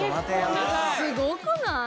・すごくない？